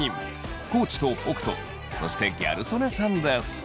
地と北斗そしてギャル曽根さんです！